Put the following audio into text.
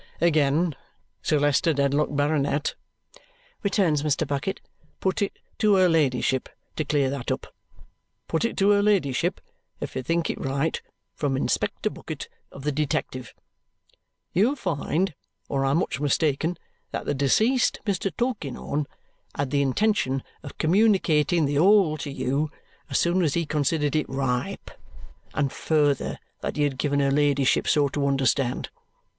"Again, Sir Leicester Dedlock, Baronet," returns Mr. Bucket, "put it to her ladyship to clear that up. Put it to her ladyship, if you think it right, from Inspector Bucket of the Detective. You'll find, or I'm much mistaken, that the deceased Mr. Tulkinghorn had the intention of communicating the whole to you as soon as he considered it ripe, and further, that he had given her ladyship so to understand.